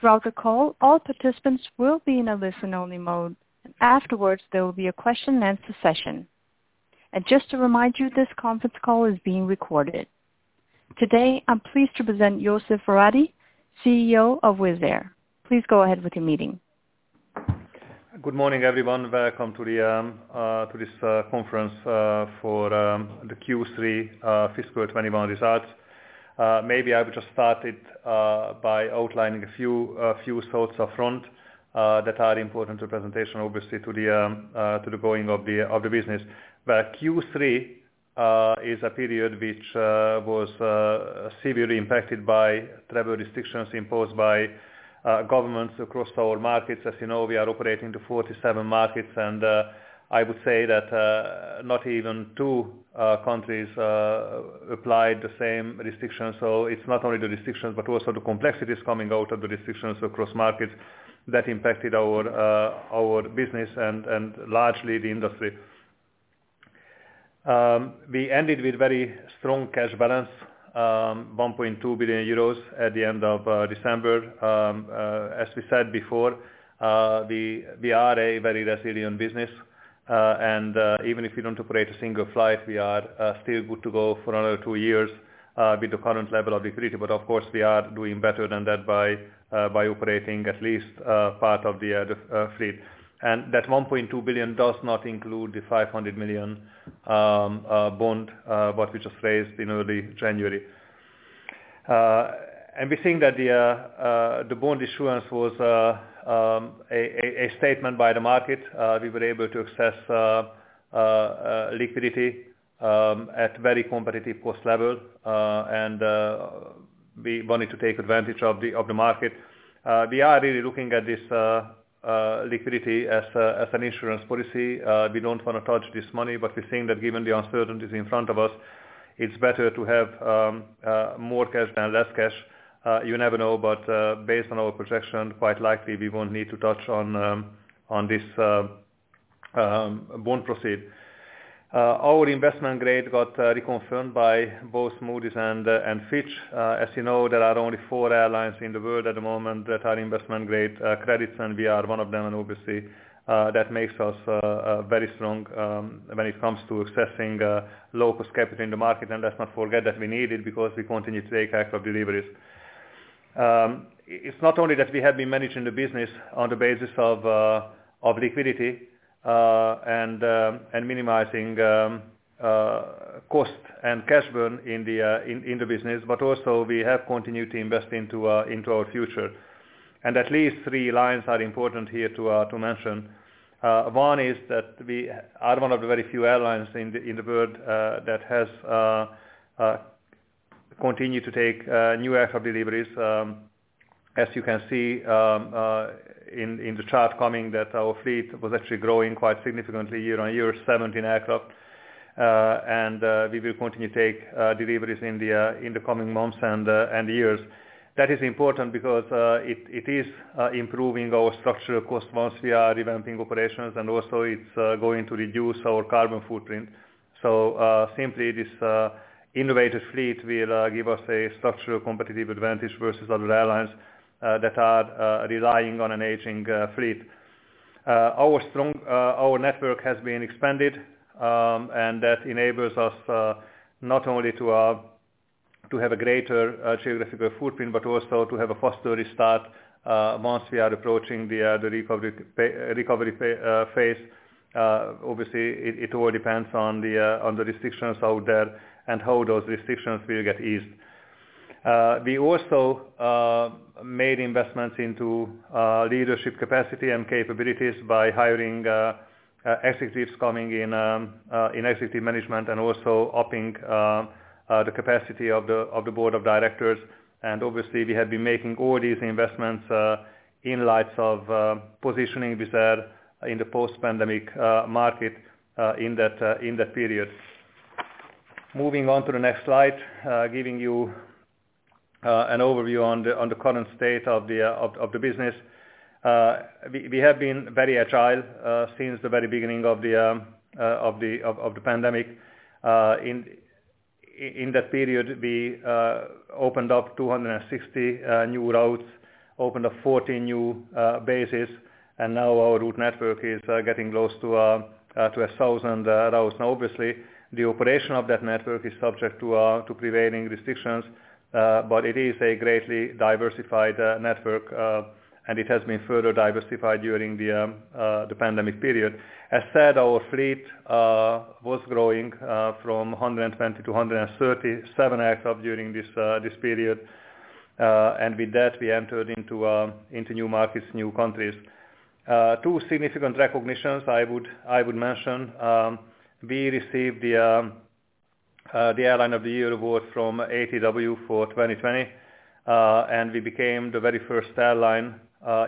Throughout the call, all participants will be in a listen-only mode. Afterwards, there will be a question and answer session. Just to remind you, this conference call is being recorded. Today, I'm pleased to present József Váradi, CEO of Wizz Air. Please go ahead with the meeting. Good morning, everyone. Welcome to this conference for the Q3 fiscal 2021 results. Maybe I would just start it by outlining a few thoughts up front that are important to presentation, obviously to the growing of the business. Q3 is a period which was severely impacted by travel restrictions imposed by governments across our markets. As you know, we are operating to 47 markets, and I would say that not even two countries applied the same restrictions. It's not only the restrictions, but also the complexities coming out of the restrictions across markets that impacted our business and largely the industry. We ended with very strong cash balance, 1.2 billion euros at the end of December. As we said before, we are a very resilient business. Even if we don't operate a single flight, we are still good to go for another two years with the current level of liquidity. Of course, we are doing better than that by operating at least part of the fleet. That 1.2 billion does not include the 500 million bond what we just raised in early January. We think that the bond issuance was a statement by the market. We were able to access liquidity at very competitive cost level, and we wanted to take advantage of the market. We are really looking at this liquidity as an insurance policy. We don't want to touch this money, but we think that given the uncertainties in front of us, it's better to have more cash than less cash. You never know, but based on our projection, quite likely we won't need to touch on this bond proceed. Our investment grade got reconfirmed by both Moody's and Fitch Ratings. As you know, there are only four airlines in the world at the moment that are investment-grade credits, and we are one of them. Obviously, that makes us very strong when it comes to accessing low-cost capital in the market. Let's not forget that we need it because we continue to take care of deliveries. It's not only that we have been managing the business on the basis of liquidity and minimizing cost and cash burn in the business, but also we have continued to invest into our future. At least three lines are important here to mention. One is that we are one of the very few airlines in the world that has continued to take new aircraft deliveries. As you can see in the chart coming that our fleet was actually growing quite significantly year-on-year, 17 aircraft. We will continue to take deliveries in the coming months and years. That is important because it is improving our structural cost once we are revamping operations, and also it's going to reduce our carbon footprint. Simply this innovative fleet will give us a structural competitive advantage versus other airlines that are relying on an aging fleet. Our network has been expanded, and that enables us not only to have a greater geographical footprint, but also to have a faster restart once we are approaching the recovery phase. Obviously, it all depends on the restrictions out there and how those restrictions will get eased. We also made investments into leadership capacity and capabilities by hiring executives coming in executive management and also upping the capacity of the board of directors. Obviously, we have been making all these investments in light of positioning Wizz Air in the post-pandemic market in that period. Moving on to the next slide, giving you an overview on the current state of the business. We have been very agile since the very beginning of the pandemic. In that period, we opened up 260 new routes, opened up 40 new bases, and now our route network is getting close to 1,000 routes. Now obviously, the operation of that network is subject to prevailing restrictions, but it is a greatly diversified network and it has been further diversified during the pandemic period. As said, our fleet was growing from 120-137 aircraft during this period. With that, we entered into new markets, new countries. Two significant recognitions I would mention. We received the Airline of the Year award from ATW for 2020, and we became the very first airline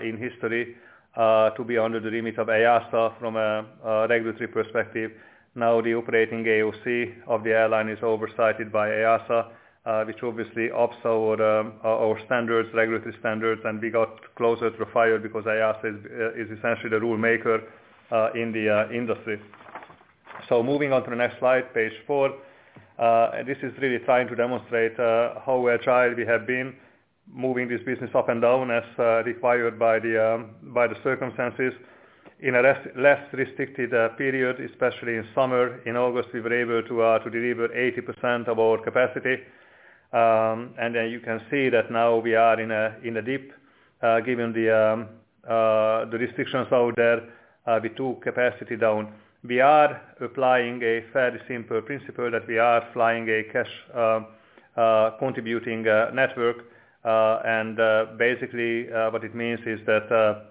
in history to be under the remit of EASA from a regulatory perspective. Now the operating AOC of the airline is oversighted by EASA, which obviously ups our regulatory standards, and we got closer to IATA because EASA is essentially the rule maker in the industry. Moving on to the next slide, page four. This is really trying to demonstrate how agile we have been moving this business up and down as required by the circumstances in a less restricted period, especially in summer. In August, we were able to deliver 80% of our capacity. Then you can see that now we are in a dip, given the restrictions out there, we took capacity down. We are applying a fairly simple principle that we are flying a cash contributing network. Basically, what it means is that,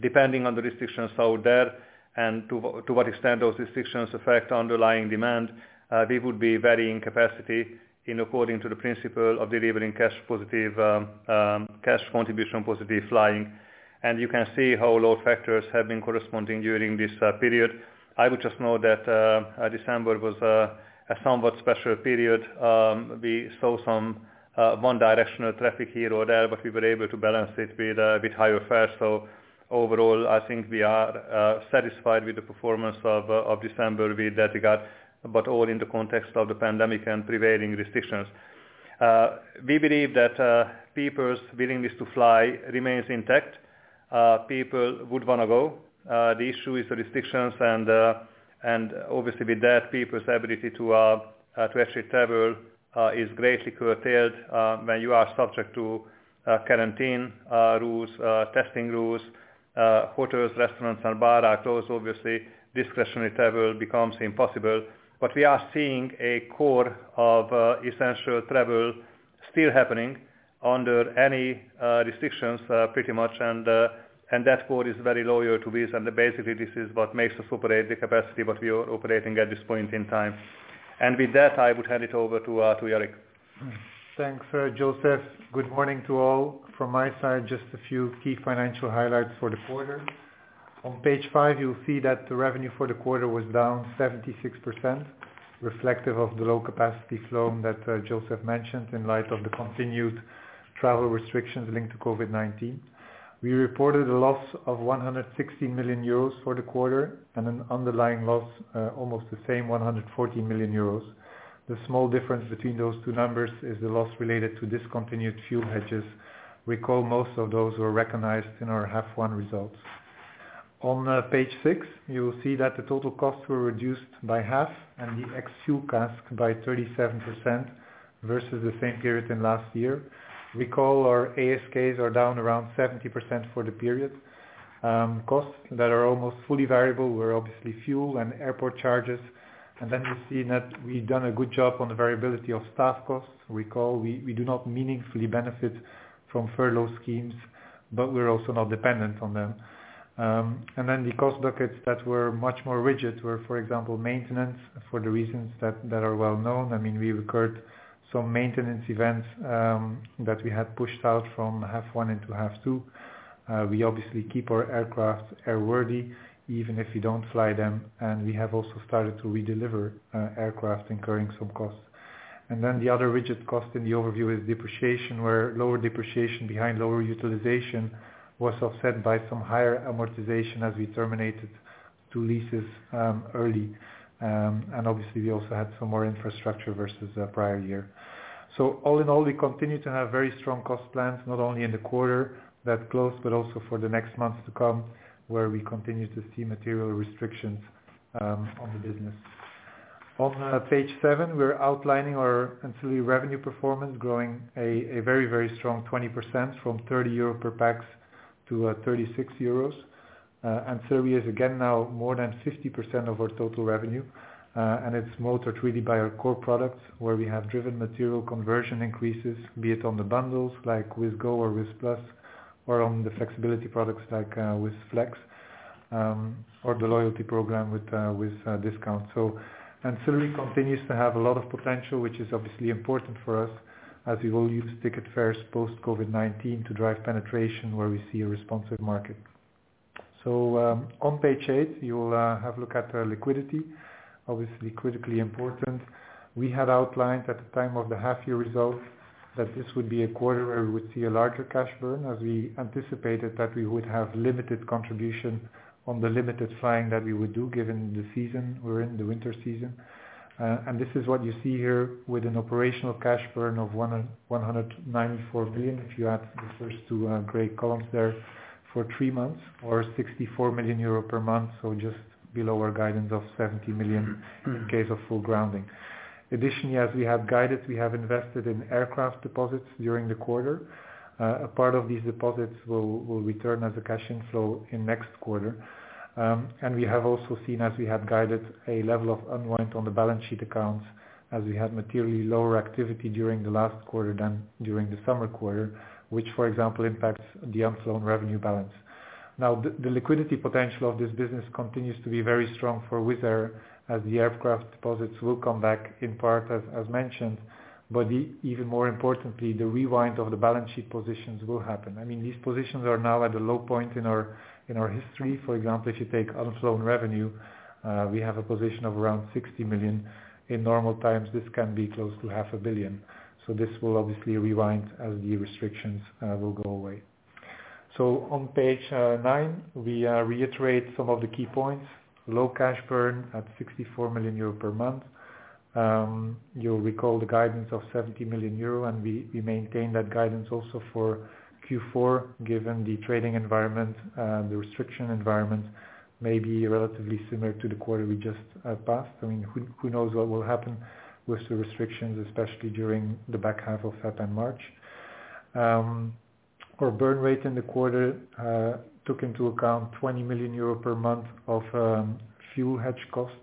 depending on the restrictions out there and to what extent those restrictions affect underlying demand, we would be varying capacity in according to the principle of delivering cash contribution positive flying. You can see how load factors have been corresponding during this period. I would just note that December was a somewhat special period. We saw some one-directional traffic here or there, but we were able to balance it with a bit higher fare. Overall, I think we are satisfied with the performance of December with that regard, but all in the context of the pandemic and prevailing restrictions. We believe that people's willingness to fly remains intact. People would want to go. The issue is the restrictions and obviously, with that, people's ability to actually travel is greatly curtailed. When you are subject to quarantine rules, testing rules, hotels, restaurants, and bars are closed, obviously, discretionary travel becomes impossible. We are seeing a core of essential travel still happening under any restrictions, pretty much, and that core is very loyal to Wizz Air. Basically, this is what makes us operate the capacity that we are operating at this point in time. With that, I would hand it over to Jourik. Thanks, József. Good morning to all. From my side, just a few key financial highlights for the quarter. On page five, you'll see that the revenue for the quarter was down 76%, reflective of the low capacity flown that József mentioned in light of the continued travel restrictions linked to COVID-19. We reported a loss of 116 million euros for the quarter and an underlying loss almost the same, 114 million euros. The small difference between those two numbers is the loss related to discontinued fuel hedges. Recall most of those were recognized in our half one results. On page six, you will see that the total costs were reduced by half and the ex-fuel CASK by 37% versus the same period in last year. Recall our ASKs are down around 70% for the period. Costs that are almost fully variable were obviously fuel and airport charges. Then you see that we've done a good job on the variability of staff costs. Recall, we do not meaningfully benefit from furlough schemes, but we're also not dependent on them. Then the cost buckets that were much more rigid were, for example, maintenance for the reasons that are well known. We've incurred some maintenance events that we had pushed out from half one into half two. We obviously keep our aircraft airworthy, even if we don't fly them. We have also started to redeliver aircraft incurring some costs. Then the other rigid cost in the overview is depreciation, where lower depreciation behind lower utilization was offset by some higher amortization as we terminated two leases early. Obviously, we also had some more infrastructure versus the prior year. All in all, we continue to have very strong cost plans, not only in the quarter that closed, but also for the next months to come, where we continue to see material restrictions on the business. On page seven, we're outlining our ancillary revenue performance, growing a very, very strong 20% from 30 euro per pax to 36 euros. Ancillary is again now more than 50% of our total revenue, and it's motored really by our core products, where we have driven material conversion increases, be it on the bundles like WIZZ Go or WIZZ Plus, or on the flexibility products like WIZZ Flex, or the loyalty program with discounts. Ancillary continues to have a lot of potential, which is obviously important for us as we will use ticket fares post-COVID-19 to drive penetration where we see a responsive market. On page eight, you will have a look at our liquidity, obviously critically important. We had outlined at the time of the half-year results that this would be a quarter where we would see a larger cash burn as we anticipated that we would have limited contribution on the limited flying that we would do given the season we're in, the winter season. This is what you see here with an operational cash burn of 194 million, if you add the first two gray columns there for three months or 64 million euro per month, just below our guidance of 70 million in case of full grounding. Additionally, as we have guided, we have invested in aircraft deposits during the quarter. A part of these deposits will return as a cash inflow in next quarter. We have also seen as we have guided a level of unwind on the balance sheet accounts as we had materially lower activity during the last quarter than during the summer quarter, which for example, impacts the unflown revenue balance. The liquidity potential of this business continues to be very strong for Wizz Air as the aircraft deposits will come back in part as mentioned. Even more importantly, the rewind of the balance sheet positions will happen. These positions are now at a low point in our history. For example, if you take unflown revenue, we have a position of around 60 million. In normal times, this can be close to half a billion. This will obviously rewind as the restrictions will go away. On page nine, we reiterate some of the key points. Low cash burn at 64 million euro per month. You'll recall the guidance of 70 million euro. We maintain that guidance also for Q4, given the trading environment and the restriction environment may be relatively similar to the quarter we just passed. Who knows what will happen with the restrictions, especially during the back half of February and March. Our burn rate in the quarter took into account 20 million euro per month of fuel hedge costs.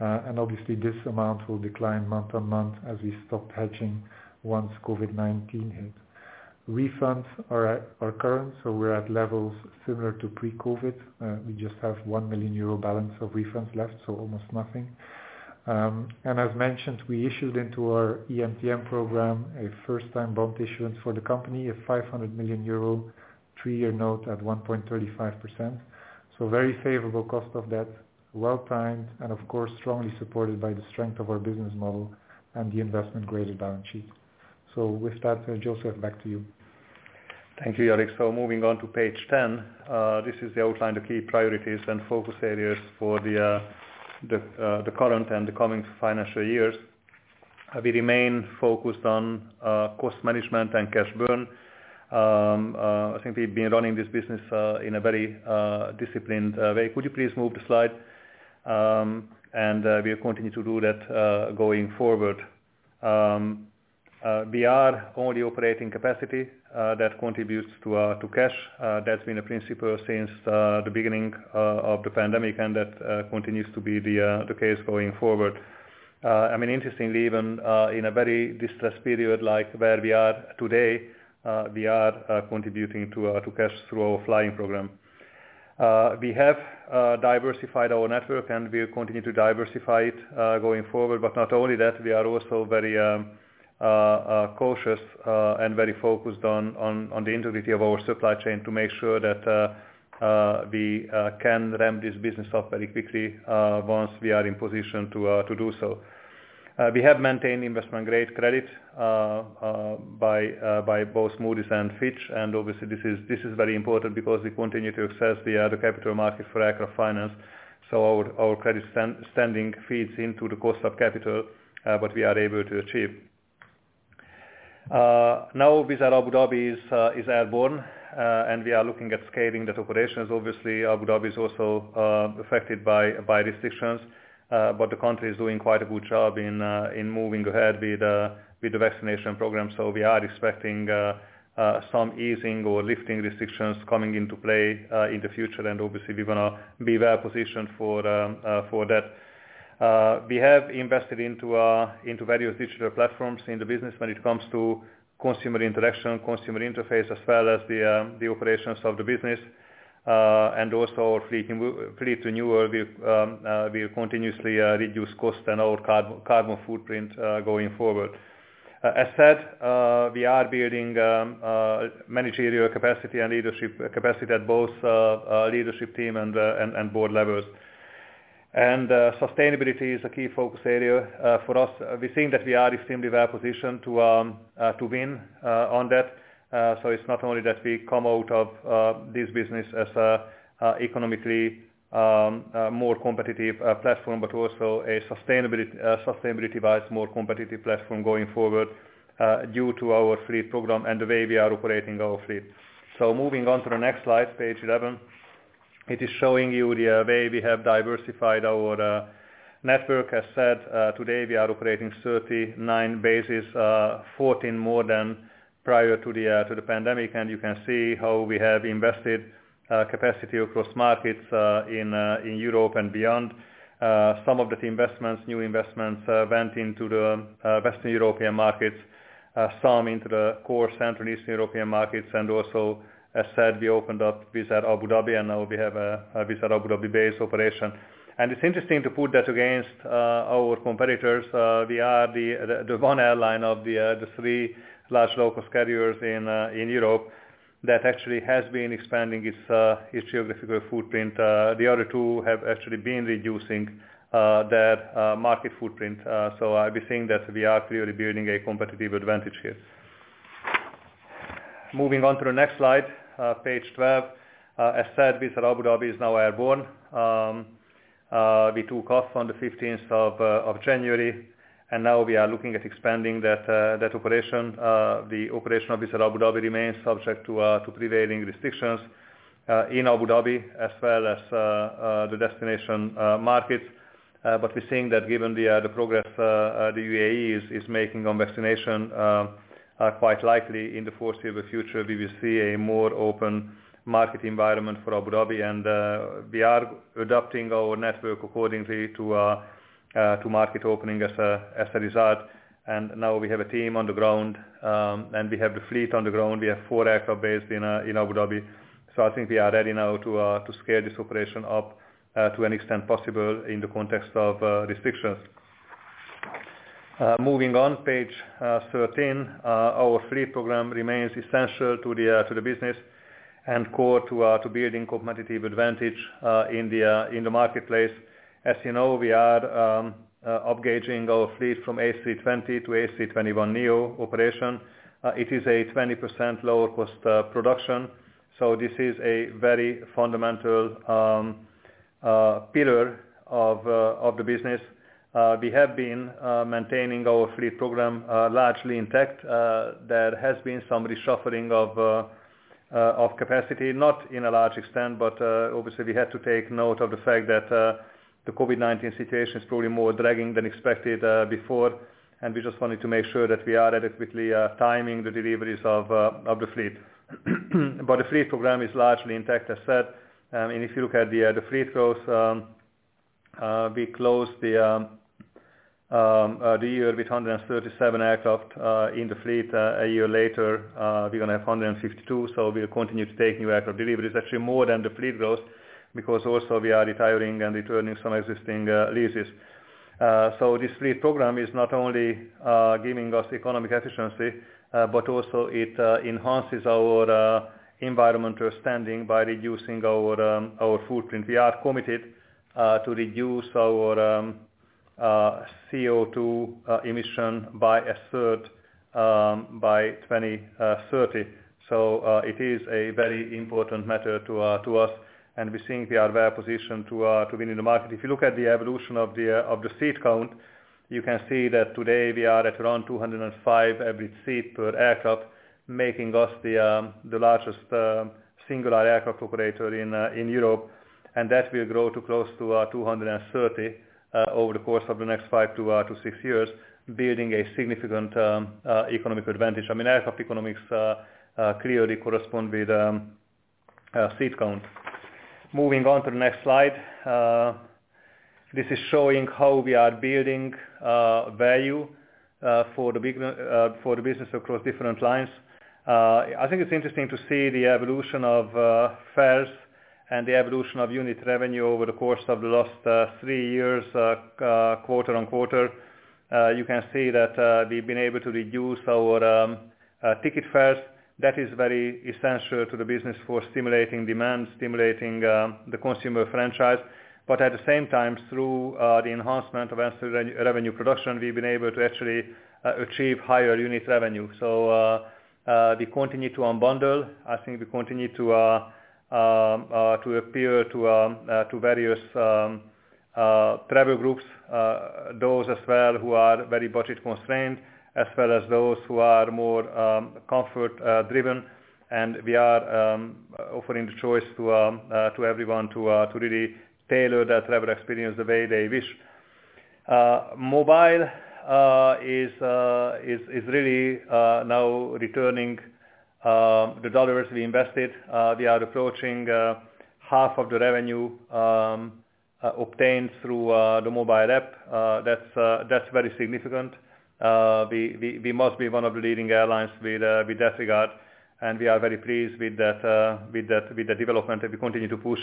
Obviously this amount will decline month on month as we stop hedging once COVID-19 hits. Refunds are current. We're at levels similar to pre-COVID. We just have 1 million euro balance of refunds left. Almost nothing. As mentioned, we issued into our EMTN program a first time bond issuance for the company, a 500 million euro, three-year note at 1.35%. Very favorable cost of debt, well timed, and of course strongly supported by the strength of our business model and the investment-grade balance sheet. With that, József, back to you. Thank you, Jourik. Moving on to page 10. This is the outline, the key priorities and focus areas for the current and the coming financial years. We remain focused on cost management and cash burn. I think we've been running this business in a very disciplined way. Could you please move the slide? We'll continue to do that going forward. We are only operating capacity that contributes to cash. That's been a principle since the beginning of the pandemic, and that continues to be the case going forward. Interestingly, even in a very distressed period like where we are today, we are contributing to cash through our flying program. We have diversified our network, and we'll continue to diversify it going forward. Not only that, we are also very cautious and very focused on the integrity of our supply chain to make sure that we can ramp this business up very quickly once we are in position to do so. We have maintained investment-grade credit by both Moody's and Fitch Ratings. Obviously, this is very important because we continue to access the capital market for extra finance. Our credit standing feeds into the cost of capital, what we are able to achieve. Now Wizz Air Abu Dhabi is airborne. We are looking at scaling that operation. Obviously, Abu Dhabi is also affected by restrictions. The country is doing quite a good job in moving ahead with the vaccination program. We are expecting some easing or lifting restrictions coming into play in the future, and obviously we're going to be well-positioned for that. We have invested into various digital platforms in the business when it comes to consumer interaction, consumer interface, as well as the operations of the business. Also our fleet renewal will continuously reduce cost and our carbon footprint going forward. As said, we are building managerial capacity and leadership capacity at both leadership team and board levels. Sustainability is a key focus area for us. We think that we are extremely well positioned to win on that. It's not only that we come out of this business as economically more competitive platform, but also a sustainability-wise more competitive platform going forward due to our fleet program and the way we are operating our fleet. Moving on to the next slide, page 11. It is showing you the way we have diversified our network. As said, today we are operating 39 bases, 14 more than prior to the pandemic. You can see how we have invested capacity across markets in Europe and beyond. Some of the investments, new investments, went into the Western European markets, some into the core Central, Eastern European markets. Also, as said, we opened up Wizz Air Abu Dhabi, and now we have a Wizz Air Abu Dhabi base operation. It's interesting to put that against our competitors. We are the one airline of the three large low-cost carriers in Europe that actually has been expanding its geographical footprint. The other two have actually been reducing their market footprint. We think that we are clearly building a competitive advantage here. Moving on to the next slide, page 12. As said, Wizz Air Abu Dhabi is now airborne. We took off on the 15th of January, and now we are looking at expanding that operation. The operation of Wizz Air Abu Dhabi remains subject to prevailing restrictions in Abu Dhabi as well as the destination markets. We're seeing that given the progress the UAE is making on vaccination, quite likely in the foreseeable future, we will see a more open market environment for Abu Dhabi. We are adapting our network accordingly to market opening as a result. Now we have a team on the ground, and we have the fleet on the ground. We have four aircraft based in Wizz Air Abu Dhabi. I think we are ready now to scale this operation up to an extent possible in the context of restrictions. Moving on, page 13. Our fleet program remains essential to the business and core to building competitive advantage in the marketplace. As you know, we are upgauging our fleet from Airbus A320 to Airbus A321neo operation. It is a 20% lower cost production, this is a very fundamental pillar of the business. We have been maintaining our fleet program largely intact. There has been (some buffering) of capacity, not in a large extent, but obviously we had to take note of the fact that the COVID-19 situation is probably more dragging than expected before, and we just wanted to make sure that we are adequately timing the deliveries of the fleet. The fleet program is largely intact, as said. If you look at the fleet growth, we closed the year with 137 aircraft in the fleet. A year later, we're going to have 152, so we'll continue to take new aircraft deliveries. Actually more than the fleet growth, because also we are retiring and returning some existing leases. This fleet program is not only giving us economic efficiency, but also it enhances our environmental standing by reducing our footprint. We are committed to reduce our CO2 emission by a third by 2030. It is a very important matter to us, and we think we are well-positioned to win in the market. If you look at the evolution of the seat count, you can see that today we are at around 205 average seat per aircraft, making us the largest singular aircraft operator in Europe, and that will grow to close to 230 over the course of the next five to six years, building a significant economic advantage. I mean, aircraft economics clearly correspond with seat count. Moving on to the next slide. This is showing how we are building value for the business across different lines. I think it's interesting to see the evolution of fares and the evolution of unit revenue over the course of the last three years, quarter on quarter. You can see that we've been able to reduce our ticket fares. That is very essential to the business for stimulating demand, stimulating the consumer franchise. At the same time, through the enhancement of revenue production, we've been able to actually achieve higher unit revenue. We continue to unbundle. I think we continue to appear to various travel groups, those as well who are very budget-constrained, as well as those who are more comfort-driven. We are offering the choice to everyone to really tailor that travel experience the way they wish. Mobile is really now returning the EUR we invested. We are approaching half of the revenue obtained through the mobile app. That's very significant. We must be one of the leading airlines with that regard, and we are very pleased with the development, and we continue to push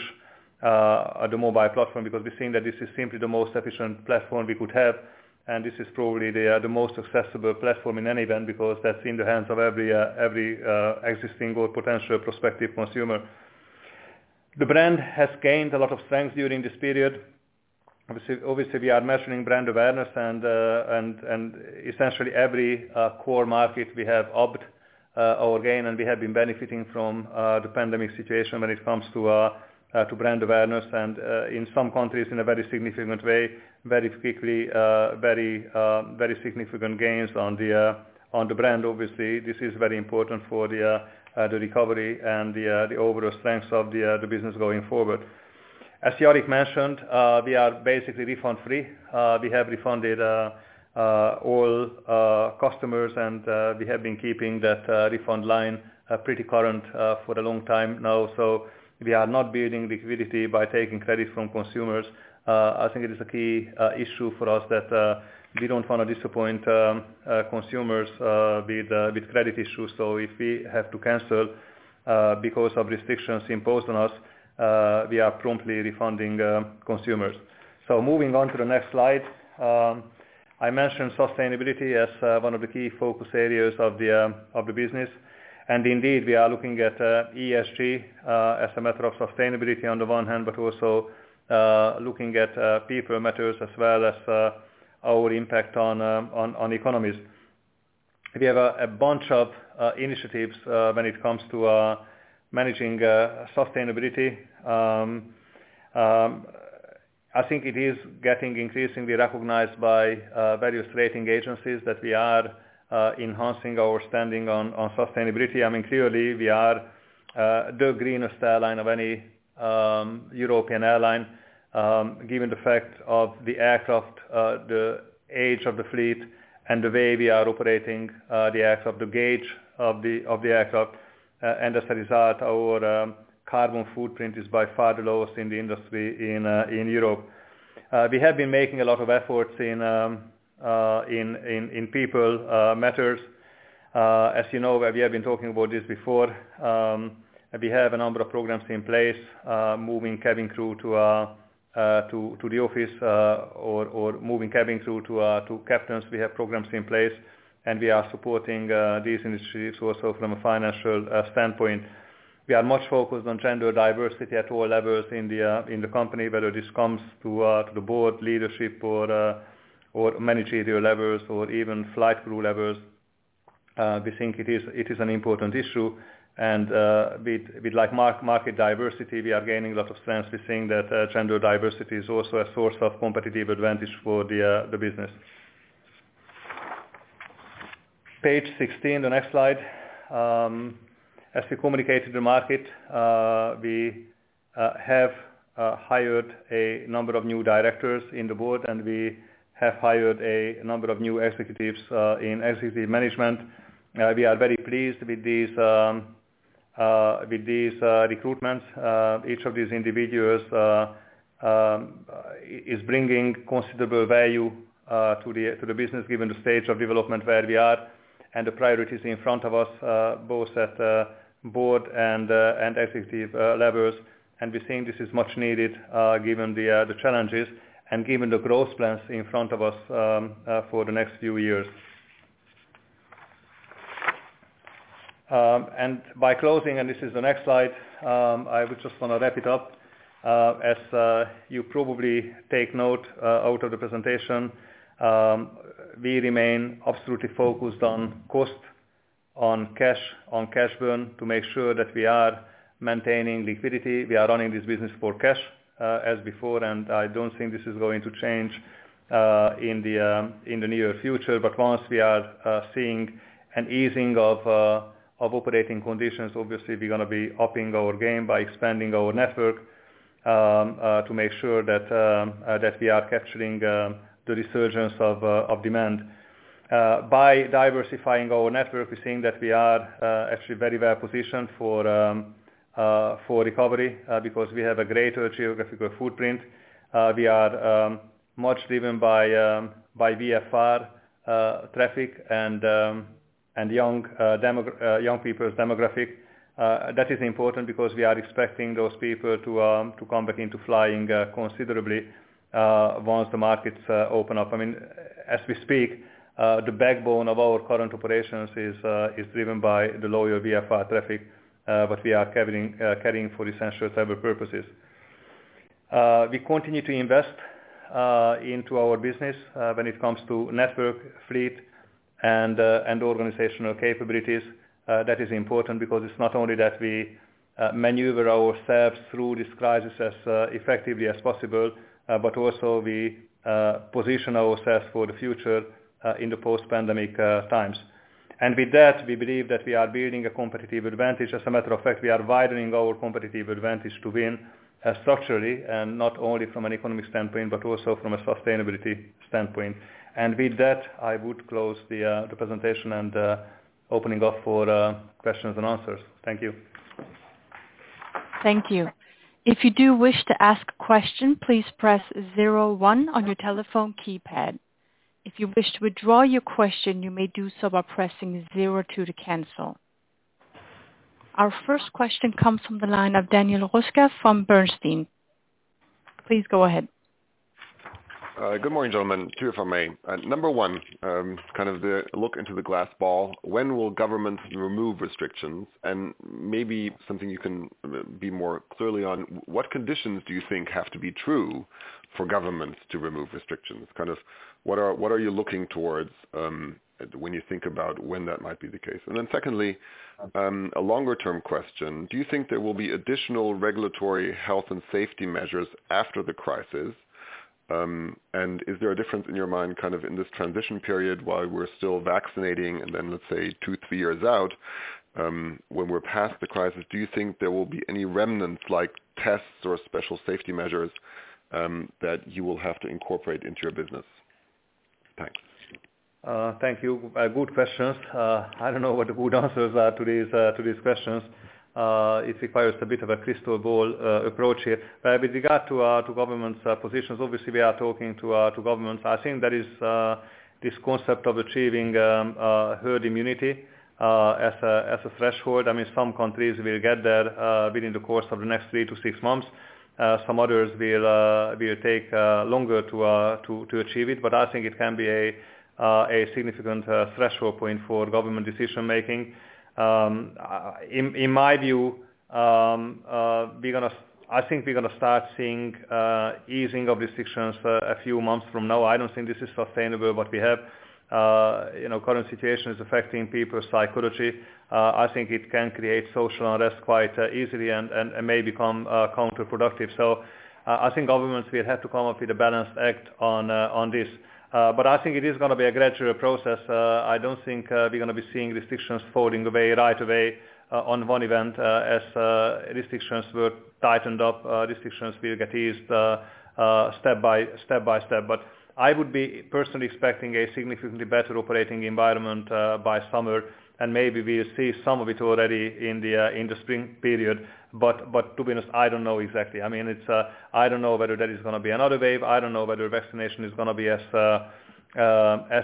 the mobile platform because we're seeing that this is simply the most efficient platform we could have, and this is probably the most accessible platform in any event, because that's in the hands of every existing or potential prospective consumer. The brand has gained a lot of strength during this period. Obviously, we are measuring brand awareness and essentially every core market we have upped our game, and we have been benefiting from the pandemic situation when it comes to brand awareness and in some countries in a very significant way, very quickly, very significant gains on the brand. Obviously, this is very important for the recovery and the overall strength of the business going forward. As Jourik mentioned, we are basically refund free. We have refunded all customers, and we have been keeping that refund line pretty current for a long time now. We are not building liquidity by taking credit from consumers. I think it is a key issue for us that we don't want to disappoint consumers with credit issues. If we have to cancel because of restrictions imposed on us, we are promptly refunding consumers. Moving on to the next slide. I mentioned sustainability as one of the key focus areas of the business. And indeed, we are looking at ESG as a matter of sustainability on the one hand, but also looking at people matters as well as our impact on economies. We have a bunch of initiatives when it comes to managing sustainability. I think it is getting increasingly recognized by various rating agencies that we are enhancing our standing on sustainability. Clearly we are the greenest airline of any European airline, given the fact of the aircraft, the age of the fleet, and the way we are operating the aircraft, the gauge of the aircraft. As a result, our carbon footprint is by far the lowest in the industry in Europe. We have been making a lot of efforts in people matters. As you know, we have been talking about this before. We have a number of programs in place, moving cabin crew to the office or moving cabin crew to captains. We have programs in place, and we are supporting these initiatives also from a financial standpoint. We are much focused on gender diversity at all levels in the company, whether this comes to the board leadership or managerial levels or even flight crew levels. We think it is an important issue, and with market diversity, we are gaining a lot of strength. We think that gender diversity is also a source of competitive advantage for the business. Page 16, the next slide. As we communicated to the market, we have hired a number of new directors on the board, and we have hired a number of new executives in Wizz Air management. We are very pleased with these recruitments. Each of these individuals is bringing considerable value to the business given the stage of development where we are and the priorities in front of us, both at board and executive levels. We think this is much needed given the challenges and given the growth plans in front of us for the next few years. By closing, and this is the next slide, I would just want to wrap it up. As you probably take note out of the presentation, we remain absolutely focused on cost, on cash, on cash burn to make sure that we are maintaining liquidity. We are running this business for cash as before, and I don't think this is going to change in the near future. Once we are seeing an easing of operating conditions, obviously we're going to be upping our game by expanding our network to make sure that we are capturing the resurgence of demand. By diversifying our network, we think that we are actually very well positioned for recovery because we have a greater geographical footprint. We are much driven by VFR traffic and young people's demographics. That is important because we are expecting those people to come back into flying considerably once the markets open up. As we speak, the backbone of our current operations is driven by the loyal VFR traffic that we are carrying for essential travel purposes. We continue to invest into our business when it comes to network, fleet, and organizational capabilities. That is important because it's not only that we maneuver ourselves through this crisis as effectively as possible, but also we position ourselves for the future in the post-pandemic times. With that, we believe that we are building a competitive advantage. As a matter of fact, we are widening our competitive advantage to win structurally, and not only from an economic standpoint, but also from a sustainability standpoint. With that, I would close the presentation and open it up for questions and answers. Thank you. Thank you. If you do wish to ask a question, please press zero one on your telephone keypad. If you wish to withdraw your question, you may do so by pressing zero two to cancel. Our first question comes from the line of Daniel Röska from Bernstein. Please go ahead. Good morning, gentlemen. Two if I may. Number one, kind of the look into the glass ball. When will governments remove restrictions? Maybe something you can be more clear on, what conditions do you think have to be true for governments to remove restrictions? What are you looking towards when you think about when that might be the case? Secondly, a longer-term question. Do you think there will be additional regulatory health and safety measures after the crisis? Is there a difference in your mind in this transition period while we're still vaccinating, then let's say two, three years out when we're past the crisis, do you think there will be any remnants like tests or special safety measures that you will have to incorporate into your business? Thank you. Thank you. Good questions. I don't know what the good answers are to these questions. It requires a bit of a crystal ball approach here. With regard to governments' positions, obviously we are talking to governments. I think there is this concept of achieving herd immunity as a threshold. Some countries will get there within the course of the next three to six months. Some others will take longer to achieve it, but I think it can be a significant threshold point for government decision-making. In my view, I think we're going to start seeing easing of restrictions a few months from now. I don't think this is sustainable, what we have. Current situation is affecting people's psychology. I think it can create social unrest quite easily and may become counterproductive. I think governments will have to come up with a balanced act on this. I think it is going to be a gradual process. I don't think we're going to be seeing restrictions falling away right away on one event. As restrictions were tightened up, restrictions will get eased step by step. I would be personally expecting a significantly better operating environment by summer, and maybe we'll see some of it already in the spring period. To be honest, I don't know exactly. I don't know whether there is going to be another wave. I don't know whether vaccination is going to be as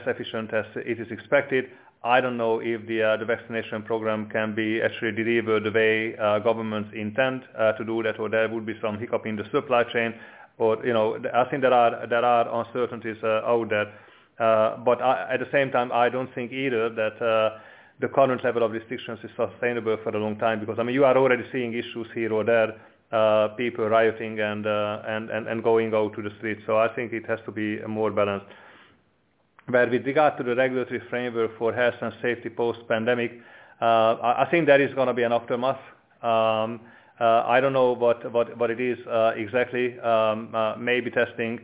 efficient as it is expected. I don't know if the vaccination program can be actually delivered the way governments intend to do that, or there would be some hiccup in the supply chain. I think there are uncertainties out there. At the same time, I don't think either that the current level of restrictions is sustainable for a long time, because you are already seeing issues here or there, people rioting and going out to the streets. I think it has to be a more balanced. Well, with regard to the regulatory framework for health and safety post-pandemic, I think there is going to be an aftermath. I don't know what it is exactly. Maybe testing,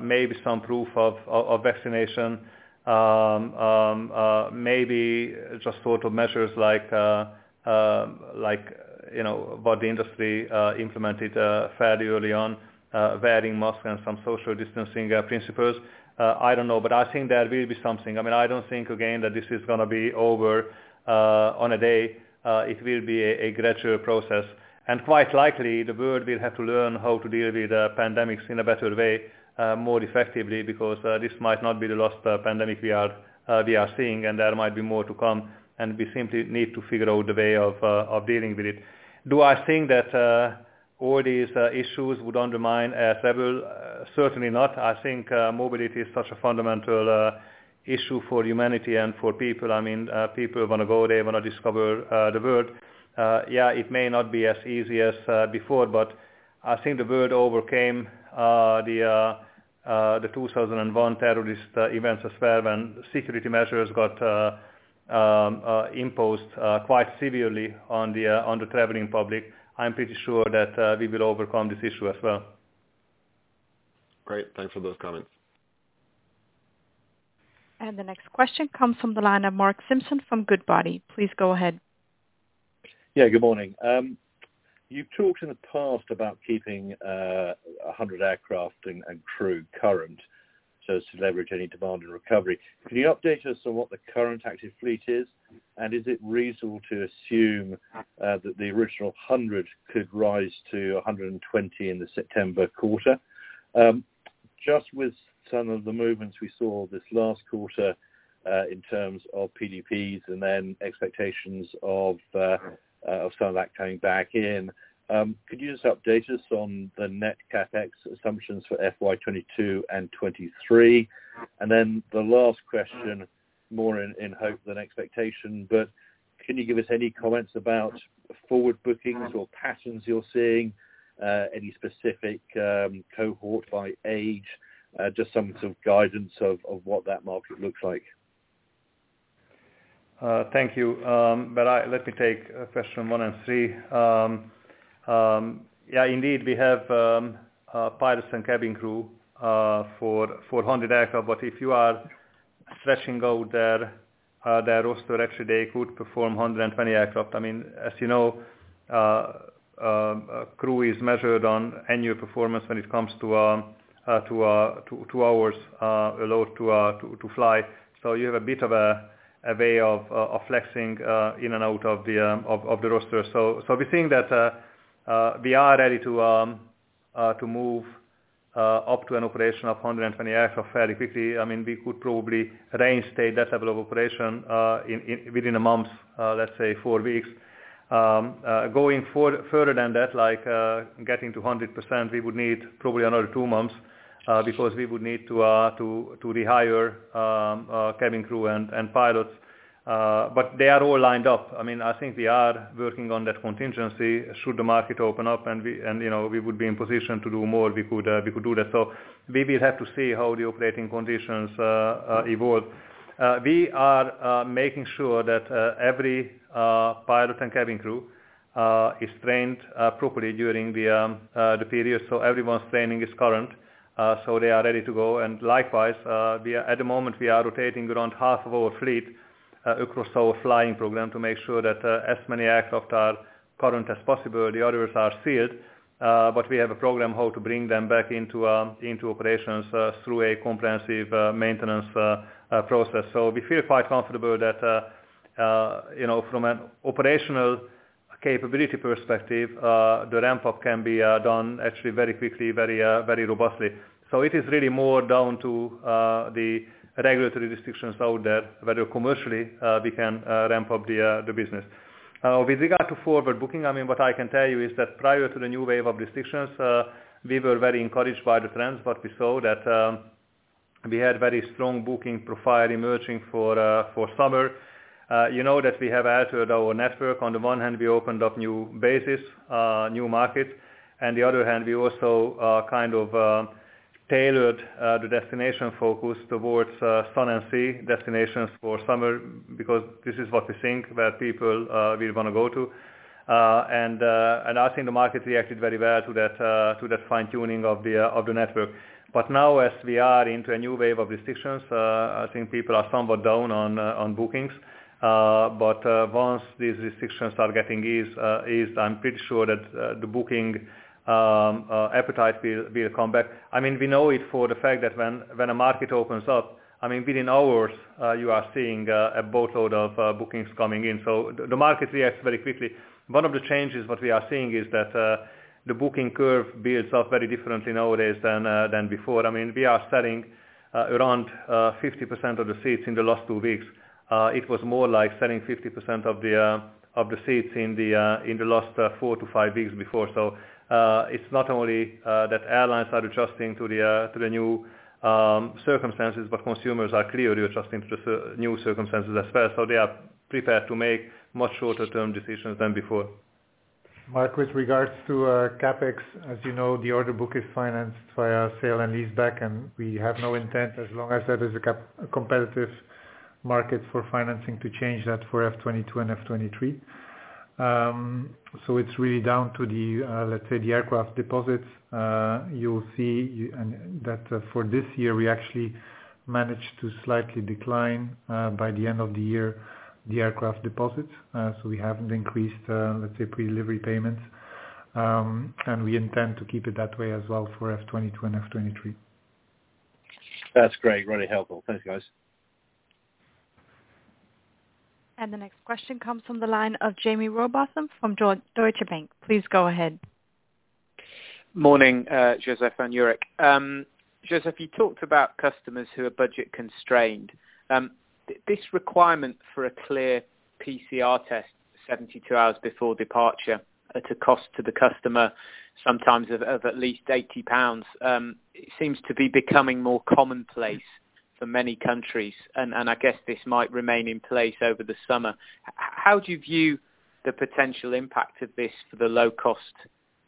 maybe some proof of vaccination, maybe just sort of measures like what the industry implemented fairly early on, wearing masks and some social distancing principles. I don't know, I think there will be something. I don't think, again, that this is going to be over on a day. It will be a gradual process. Quite likely the world will have to learn how to deal with pandemics in a better way, more effectively, because this might not be the last pandemic we are seeing, and there might be more to come, and we simply need to figure out a way of dealing with it. Do I think that all these issues would undermine air travel? Certainly not. I think mobility is such a fundamental issue for humanity and for people. People want to go, they want to discover the world. It may not be as easy as before, but I think the world overcame the 2001 terrorist events as well, when security measures got imposed quite severely on the traveling public. I'm pretty sure that we will overcome this issue as well. Great. Thanks for those comments. The next question comes from the line of Mark Simpson from Goodbody. Please go ahead. Good morning. You've talked in the past about keeping 100 aircraft and crew current, so as to leverage any demand and recovery. Can you update us on what the current active fleet is? Is it reasonable to assume that the original 100 could rise to 120 in the September quarter? Just with some of the movements we saw this last quarter in terms of PDPs and then expectations of some of that coming back in, could you just update us on the net CapEx assumptions for FY 2022 and 2023? The last question, more in hope than expectation, but can you give us any comments about forward bookings or patterns you're seeing, any specific cohort by age? Just some sort of guidance of what that market looks like. Thank you. Let me take question one and three. Yeah, indeed, we have pilots and cabin crew for 400 aircraft, but if you are stretching out their roster, actually, they could perform 120 aircraft. As you know, crew is measured on annual performance when it comes to hours allowed to fly. You have a bit of a way of flexing in and out of the roster. We think that we are ready to move up to an operation of 120 aircraft fairly quickly. We could probably reinstate that level of operation within a month, let's say four weeks. Going further than that, like getting to 100%, we would need probably another two months, because we would need to rehire cabin crew and pilots. They are all lined up. I think we are working on that contingency should the market open up, and we would be in position to do more, we could do that. We will have to see how the operating conditions evolve. We are making sure that every pilot and cabin crew is trained appropriately during the period, so everyone's training is current, so they are ready to go. Likewise, at the moment, we are rotating around half of our fleet across our flying program to make sure that as many aircraft are current as possible. The others are sealed, but we have a program how to bring them back into operations through a comprehensive maintenance process. We feel quite comfortable that from an operational capability perspective, the ramp-up can be done actually very quickly, very robustly. It is really more down to the regulatory restrictions out there, whether commercially we can ramp up the business. With regard to forward booking, what I can tell you is that prior to the new wave of restrictions, we were very encouraged by the trends that we saw, that we had very strong booking profile emerging for summer. You know that we have altered our network. On the one hand, we opened up new bases, new markets. On the other hand, we also kind of tailored the destination focus towards sun and sea destinations for summer because this is what we think where people will want to go to. I think the market reacted very well to that fine-tuning of the network. Now as we are into a new wave of restrictions, I think people are somewhat down on bookings. Once these restrictions start getting eased, I'm pretty sure that the booking appetite will come back. We know it for the fact that when a market opens up, within hours, you are seeing a boatload of bookings coming in. The market reacts very quickly. One of the changes that we are seeing is that the booking curve builds up very differently nowadays than before. We are selling around 50% of the seats in the last two weeks. It was more like selling 50% of the seats in the last four to five weeks before. It's not only that airlines are adjusting to the new circumstances, but consumers are clearly adjusting to the new circumstances as well. They are prepared to make much shorter-term decisions than before. Mark, with regards to CapEx, as you know, the order book is financed via sale and leaseback, and we have no intent as long as there is a competitive market for financing to change that for FY 2022 and FY 2023. It's really down to the, let's say, the aircraft deposits. You'll see that for this year, we actually managed to slightly decline by the end of the year the aircraft deposits. We haven't increased, let's say, Pre-Delivery Payments, and we intend to keep it that way as well for FY 2022 and FY 2023. That's great. Really helpful. Thanks, guys. The next question comes from the line of Jaime Rowbotham from Deutsche Bank. Please go ahead. Morning, József and Jourik. József, you talked about customers who are budget-constrained. This requirement for a clear PCR test 72 hours before departure at a cost to the customer, sometimes of at least 80 pounds, seems to be becoming more commonplace for many countries. I guess this might remain in place over the summer. How do you view the potential impact of this for the low-cost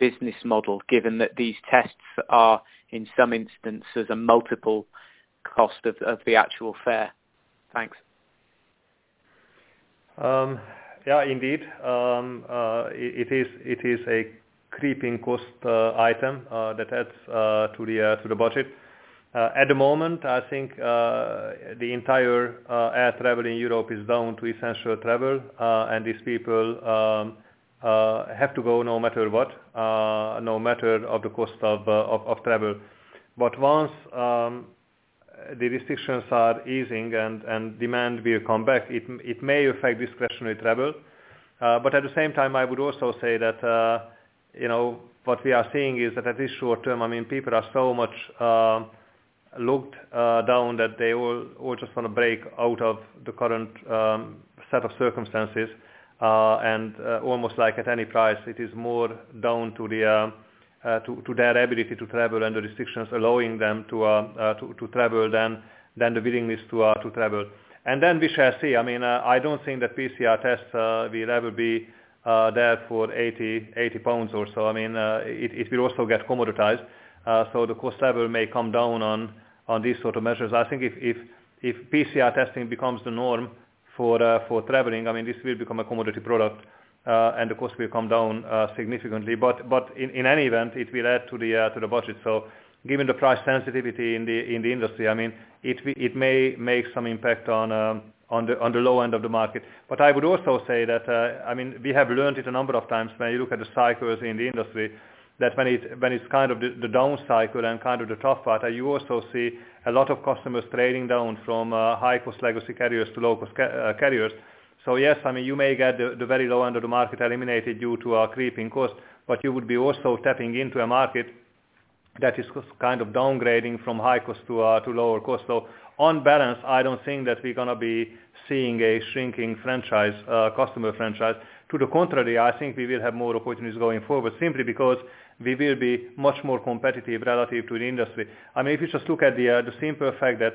business model, given that these tests are, in some instances, a multiple cost of the actual fare? Thanks. Yeah, indeed. It is a creeping cost item that adds to the budget. At the moment, I think the entire air travel in Europe is down to essential travel, and these people have to go no matter what, no matter of the cost of travel. Once the restrictions are easing and demand will come back, it may affect discretionary travel. At the same time, I would also say that what we are seeing is that at this short term, people are so much locked down that they all just want to break out of the current set of circumstances, and almost like at any price. It is more down to their ability to travel and the restrictions allowing them to travel than the willingness to travel. We shall see. I don't think that PCR tests will ever be there for 80 pounds or so. It will also get commoditized. The cost level may come down on these sort of measures. I think if PCR testing becomes the norm for traveling, this will become a commodity product, and the cost will come down significantly. In any event, it will add to the budget. Given the price sensitivity in the industry, it may make some impact on the low end of the market. I would also say that we have learned it a number of times when you look at the cycles in the industry, that when it's the down cycle and the tough part, you also see a lot of customers trading down from high-cost legacy carriers to low-cost carriers. Yes, you may get the very low end of the market eliminated due to a creeping cost, but you would be also tapping into a market that is kind of downgrading from high cost to lower cost. On balance, I don't think that we're going to be seeing a shrinking customer franchise. To the contrary, I think we will have more opportunities going forward simply because we will be much more competitive relative to the industry. If you just look at the simple fact that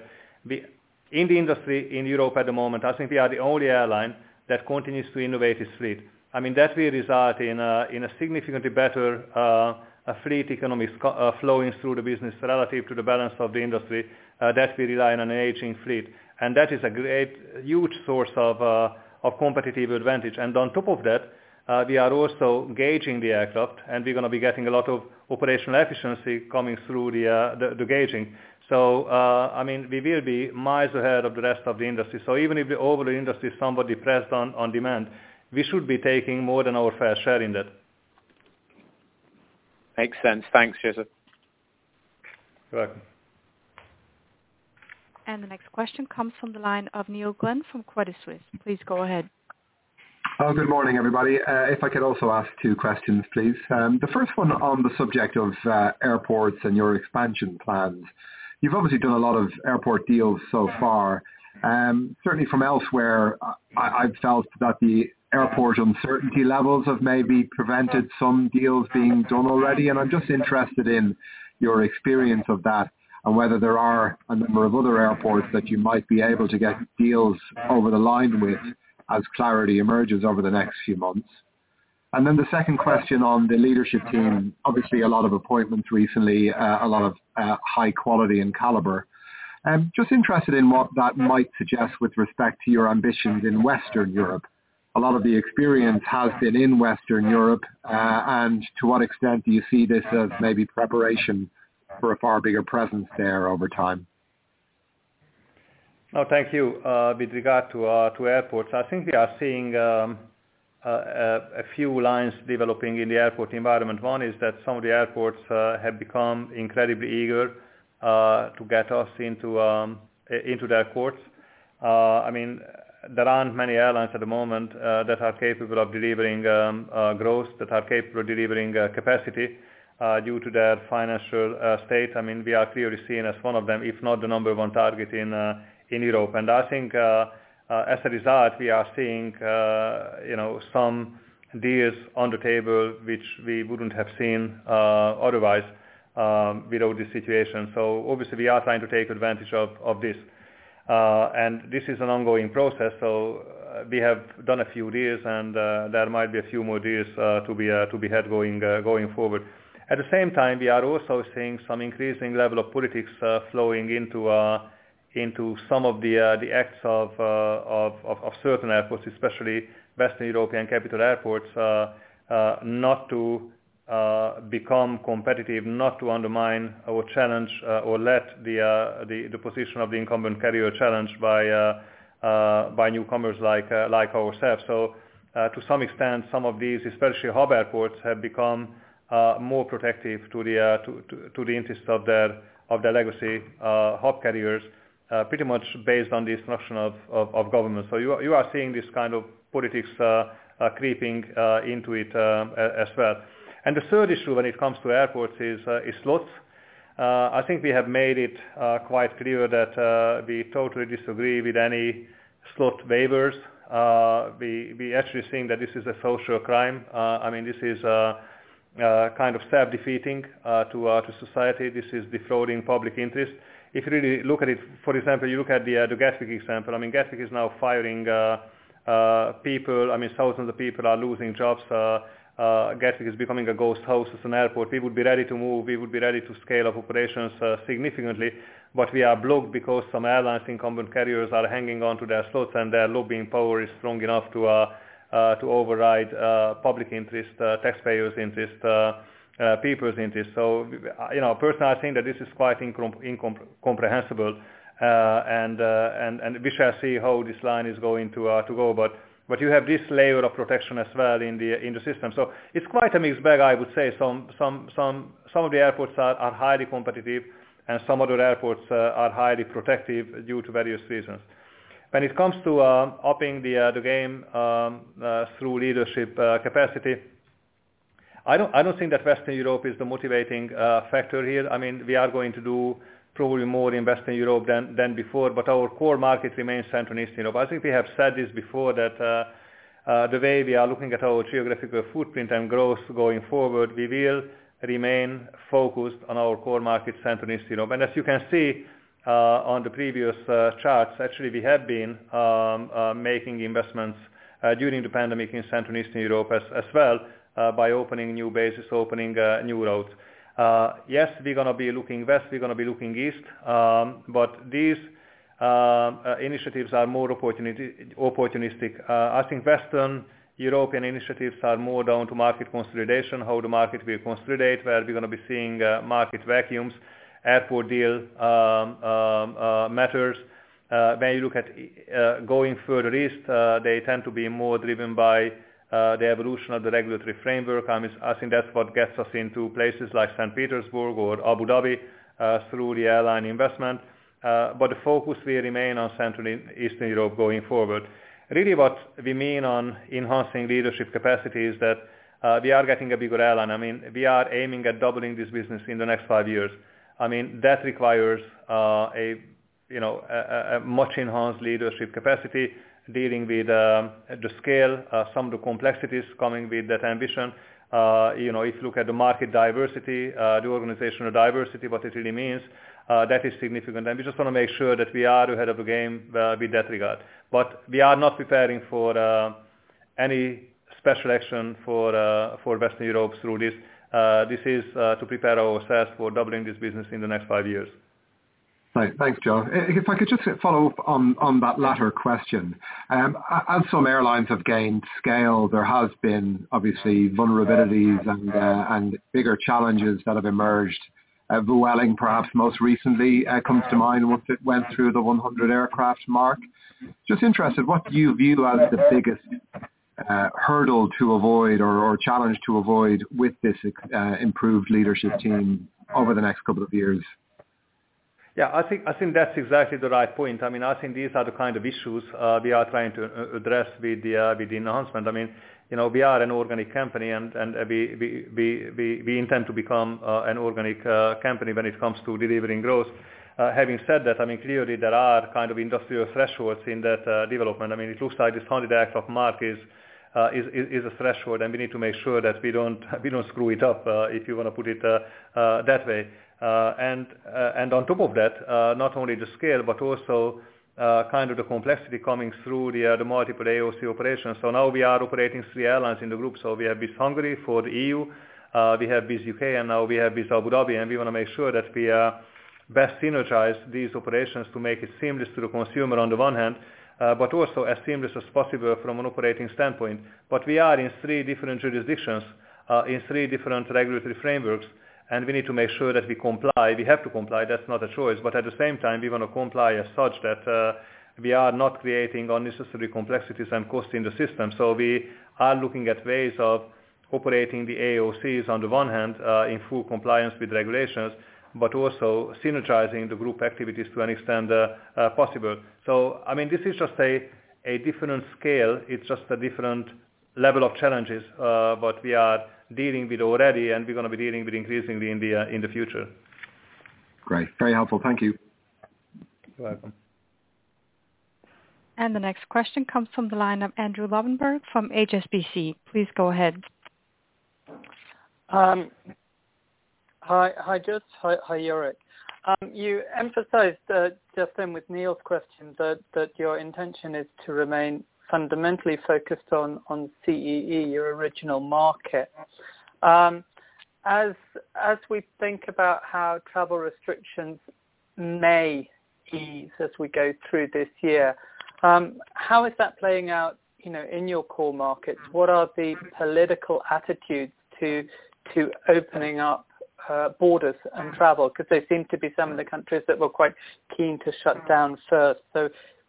in the industry in Europe at the moment, I think we are the only airline that continues to innovate its fleet. That will result in a significantly better fleet economics flowing through the business relative to the balance of the industry that will rely on an aging fleet. That is a great, huge source of competitive advantage. On top of that, we are also gauging the aircraft, and we're going to be getting a lot of operational efficiency coming through the gauging. We will be miles ahead of the rest of the industry. Even if over the industry is somewhat depressed on demand, we should be taking more than our fair share in that. Makes sense. Thanks, József. You're welcome. The next question comes from the line of Neil Glynn from Credit Suisse. Please go ahead. Good morning, everybody. If I could also ask two questions, please. The first one on the subject of airports and your expansion plans. You've obviously done a lot of airport deals so far. Certainly from elsewhere, I've felt that the airport uncertainty levels have maybe prevented some deals being done already, and I'm just interested in your experience of that and whether there are a number of other airports that you might be able to get deals over the line with as clarity emerges over the next few months. Then the second question on the leadership team, obviously a lot of appointments recently, a lot of high quality and caliber. Just interested in what that might suggest with respect to your ambitions in Western Europe. A lot of the experience has been in Western Europe. To what extent do you see this as maybe preparation for a far bigger presence there over time? Thank you. With regard to airports, I think we are seeing a few lines developing in the airport environment. One is that some of the airports have become incredibly eager to get us into their courts. There aren't many airlines at the moment that are capable of delivering growth, that are capable of delivering capacity due to their financial state. We are clearly seen as one of them, if not the number one target in Europe. I think, as a result, we are seeing some deals on the table, which we wouldn't have seen otherwise without this situation. Obviously, we are trying to take advantage of this. This is an ongoing process. We have done a few deals. There might be a few more deals to be had going forward. At the same time, we are also seeing some increasing level of politics flowing into some of the acts of certain airports, especially Western European capital airports, not to become competitive, not to undermine or challenge or let the position of the incumbent carrier challenged by newcomers like ourselves. To some extent, some of these, especially hub airports, have become more protective to the interests of their legacy hub carriers pretty much based on the instruction of government. You are seeing this kind of politics creeping into it as well. The third issue when it comes to airports is slots. I think we have made it quite clear that we totally disagree with any slot waivers. We actually think that this is a social crime. This is kind of self-defeating to our society. This is defrauding public interest. If you really look at it, for example, you look at the London Gatwick Airport example. London Gatwick Airport is now firing people. Thousands of people are losing jobs. London Gatwick Airport is becoming a ghost house as an airport. We would be ready to move, we would be ready to scale up operations significantly, but we are blocked because some airlines, incumbent carriers, are hanging on to their slots, and their lobbying power is strong enough to override public interest, taxpayers' interest, people's interest. Personally, I think that this is quite incomprehensible, and we shall see how this line is going to go. You have this layer of protection as well in the system. It's quite a mixed bag, I would say. Some of the airports are highly competitive, and some other airports are highly protective due to various reasons. When it comes to upping the game through leadership capacity, I don't think that Western Europe is the motivating factor here. We are going to do probably more in Western Europe than before, but our core market remains Central and Eastern Europe. I think we have said this before, that the way we are looking at our geographical footprint and growth going forward, we will remain focused on our core market, Central and Eastern Europe. As you can see on the previous charts, actually, we have been making investments during the pandemic in Central and Eastern Europe as well by opening new bases, opening new routes. Yes, we're going to be looking west, we're going to be looking east, but these initiatives are more opportunistic. I think Western European initiatives are more down to market consolidation, how the market will consolidate, where we're going to be seeing market vacuums, airport deal matters. When you look at going further east, they tend to be more driven by the evolution of the regulatory framework. I think that's what gets us into places like Saint Petersburg or Abu Dhabi through the airline investment. The focus will remain on Central and Eastern Europe going forward. Really what we mean on enhancing leadership capacity is that we are getting a bigger airline. We are aiming at doubling this business in the next five years. That requires a much enhanced leadership capacity dealing with the scale, some of the complexities coming with that ambition. If you look at the market diversity, the organizational diversity, what it really means, that is significant. We just want to make sure that we are ahead of the game with that regard. We are not preparing for any special action for Western Europe through this. This is to prepare ourselves for doubling this business in the next five years. Right. Thanks, József. If I could just follow up on that latter question. As some airlines have gained scale, there has been obviously vulnerabilities and bigger challenges that have emerged. Vueling, perhaps most recently, comes to mind, once it went through the 100 aircraft mark. Just interested, what do you view as the biggest hurdle to avoid or challenge to avoid with this improved leadership team over the next couple of years? Yeah, I think that's exactly the right point. I think these are the kind of issues we are trying to address with the announcement. We are an organic company, and we intend to become an organic company when it comes to delivering growth. Having said that, clearly there are kind of industrial thresholds in that development. It looks like this 100 aircraft mark is a threshold, and we need to make sure that we don't screw it up, if you want to put it that way. On top of that, not only the scale, but also kind of the complexity coming through the multiple AOC operations. Now we are operating three airlines in the group. We have Wizz Hungary for the EU, we have Wizz U.K., now we have Wizz Abu Dhabi. We want to make sure that we best synergize these operations to make it seamless to the consumer on the one hand, also as seamless as possible from an operating standpoint. We are in three different jurisdictions, in three different regulatory frameworks. We need to make sure that we comply. We have to comply. That's not a choice. At the same time, we want to comply as such that we are not creating unnecessary complexities and costs in the system. We are looking at ways of operating the AOCs on the one hand in full compliance with regulations, also synergizing the group activities to any extent possible. This is just a different scale. It's just a different level of challenges, but we are dealing with already, and we're going to be dealing with increasingly in the future. Great. Very helpful. Thank you. You're welcome. The next question comes from the line of Andrew Lobbenberg from HSBC. Please go ahead. Hi, József. Hi, Jourik. You emphasized, just then with Neil's question, that your intention is to remain fundamentally focused on CEE, your original market. As we think about how travel restrictions may ease as we go through this year, how is that playing out in your core markets? What are the political attitudes to opening up borders and travel? They seem to be some of the countries that were quite keen to shut down first.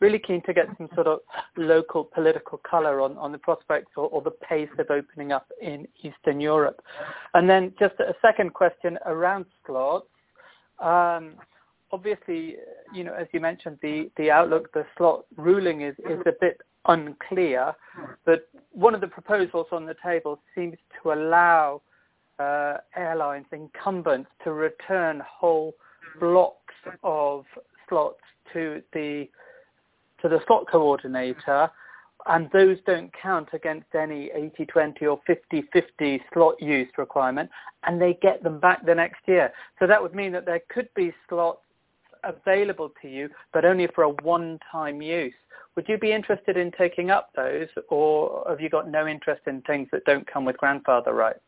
Really keen to get some sort of local political color on the prospects or the pace of opening up in Eastern Europe. Just a second question around slots. Obviously, as you mentioned, the outlook, the slot ruling is a bit unclear, but one of the proposals on the table seems to allow airlines incumbents to return whole blocks of slots to the slot coordinator, and those don't count against any 80/20 or 50/50 slot use requirement, and they get them back the next year. That would mean that there could be slots available to you, but only for a one-time use. Would you be interested in taking up those, or have you got no interest in things that don't come with grandfather rights?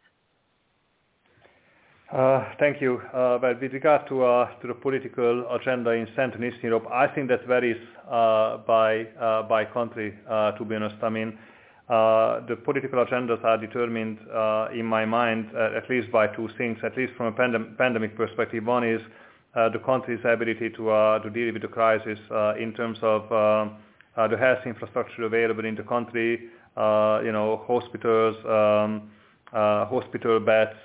Thank you. With regard to the political agenda in Central and Eastern Europe, I think that varies by country, to be honest. The political agendas are determined, in my mind, at least by two things, at least from a pandemic perspective. One is the country's ability to deal with the crisis in terms of the health infrastructure available in the country, hospitals, hospital beds,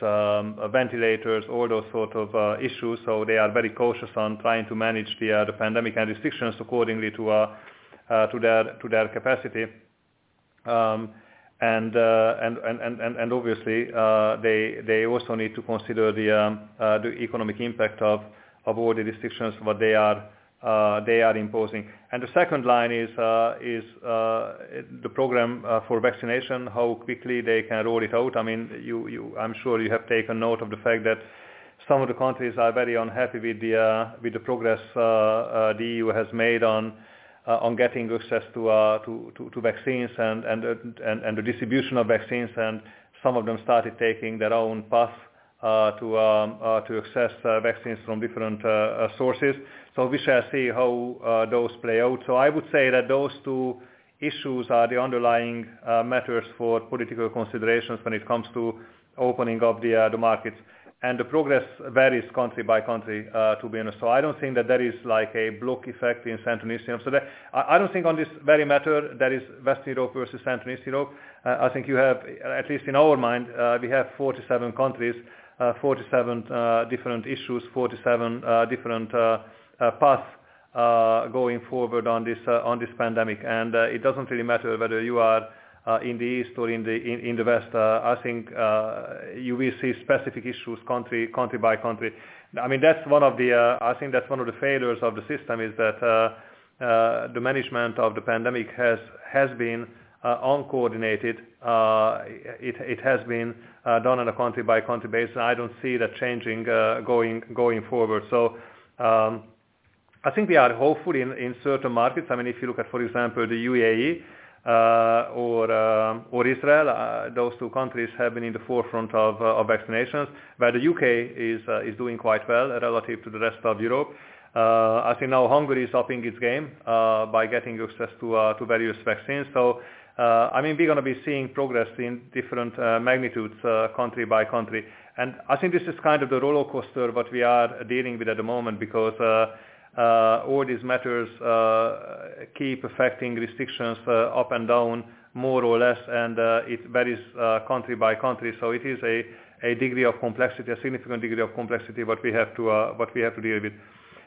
ventilators, all those sort of issues. So they are very cautious on trying to manage the pandemic and restrictions accordingly to their capacity. Obviously, they also need to consider the economic impact of all the restrictions what they are imposing. The second line is the program for vaccination, how quickly they can roll it out. I'm sure you have taken note of the fact that some of the countries are very unhappy with the progress the EU has made on getting access to vaccines and the distribution of vaccines. Some of them started taking their own path to access vaccines from different sources. We shall see how those play out. I would say that those two issues are the underlying matters for political considerations when it comes to opening up the markets. The progress varies country by country, to be honest. I don't think that there is a block effect in Central and East Europe. I don't think on this very matter, there is West Europe versus Central and East Europe. I think you have, at least in our mind, we have 47 countries, 47 different issues, 47 different paths going forward on this pandemic. It doesn't really matter whether you are in the east or in the west. I think you will see specific issues country-by-country. I think that's one of the failures of the system is that the management of the pandemic has been uncoordinated. It has been done on a country-by-country basis. I don't see that changing going forward. I think we are hopeful in certain markets. If you look at, for example, the UAE or Israel, those two countries have been in the forefront of vaccinations, where the U.K. is doing quite well relative to the rest of Europe. I think now Hungary is upping its game by getting access to various vaccines. We are going to be seeing progress in different magnitudes country by country. I think this is kind of the roller coaster what we are dealing with at the moment because all these matters keep affecting restrictions up and down, more or less, and it varies country by country. It is a significant degree of complexity, what we have to deal with.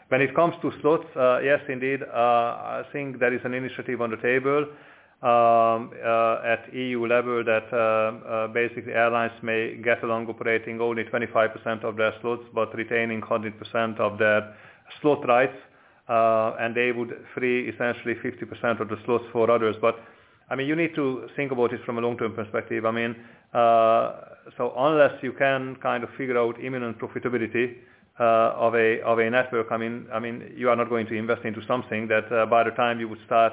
When it comes to slots, yes, indeed, I think there is an initiative on the table at EU level that basically airlines may get along operating only 25% of their slots, retaining 100% of their slot rights, and they would free essentially 50% of the slots for others. You need to think about it from a long-term perspective. Unless you can kind of figure out imminent profitability of a network, you are not going to invest into something that by the time you would start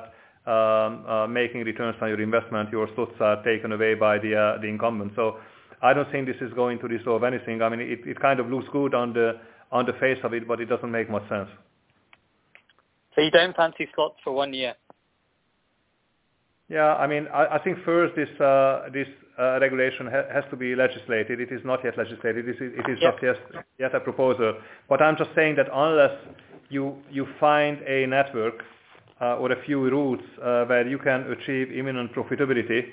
making returns on your investment, your slots are taken away by the incumbent. I don't think this is going to resolve anything. It kind of looks good on the face of it, but it doesn't make much sense. You don't fancy slots for one year? I think first, this regulation has to be legislated. It is not yet legislated. It is just yet a proposal. I'm just saying that unless you find a network or a few routes where you can achieve imminent profitability,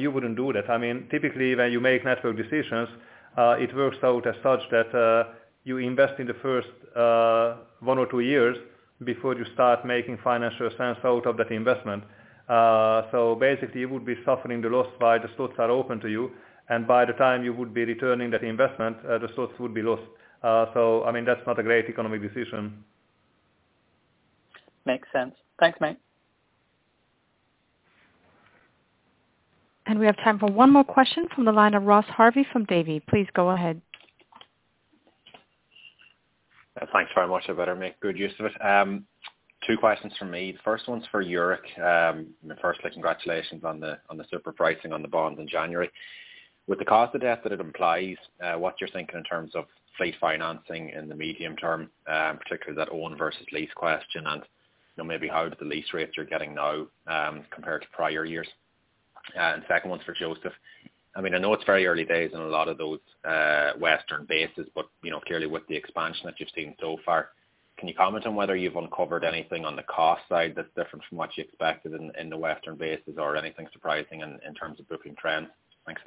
you wouldn't do that. Typically, when you make network decisions, it works out as such that you invest in the first one or two years before you start making financial sense out of that investment. Basically, you would be suffering the loss while the slots are open to you, and by the time you would be returning that investment, the slots would be lost. That's not a great economic decision. Makes sense. Thanks, mate. We have time for one more question from the line of Ross Harvey from Davy. Please go ahead. Thanks very much. I better make good use of it. Two questions from me. The first one's for Jourik. Firstly, congratulations on the super pricing on the bonds in January. With the cost of debt that it implies, what's your thinking in terms of fleet financing in the medium term, particularly that own versus lease question and, maybe how the lease rates you're getting now, compared to prior years. Second one's for József. I know it's very early days in a lot of those Western bases, but clearly with the expansion that you've seen so far, can you comment on whether you've uncovered anything on the cost side that's different from what you expected in the Western bases or anything surprising in terms of booking trends? Thanks.